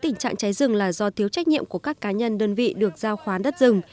tình trạng cháy rừng là do thiếu trách nhiệm của các cá nhân đơn vị được giao khoán đất rừng